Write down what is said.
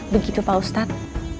begitu pak ustadz